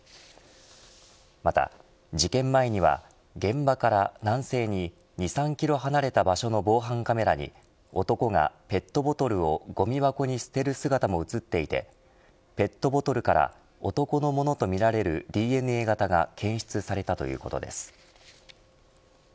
また事件前には現場から南西に２、３キロ離れた場所の防犯カメラに男がペットボトルをごみ箱に捨てる姿も映っていてペットボトルから男のものとみられるＤＮＡ型が検出されたということです。